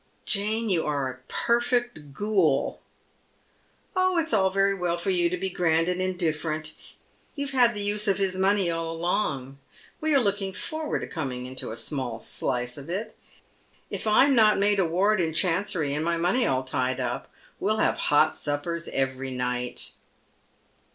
" Jane, you are a perfect ghoul." " Oh, it's all very well for you to be grand and indifferent. You've had the use of his money all along. We are looking forward to coming into a small slice of it. If I'm not made a ward in Chancery and my money all tied up we'll have hot suppers every night."